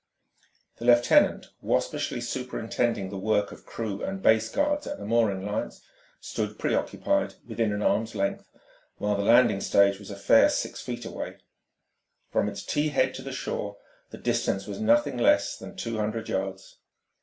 The lieutenant, waspishly superintending the work of crew and base guards at the mooring lines, stood preoccupied within an arm's length; while the landing stage was a fair six feet away. From its T head to the shore, the distance was nothing less than two hundred yards.